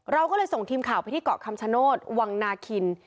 เราก็เลยส่งทีมข่าวไปที่เกาะคำชโนธวังนาคิน